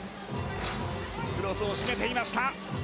クロスを締めていました。